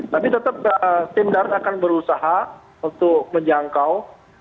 tapi tetap tim darat akan berusaha untuk menjangkau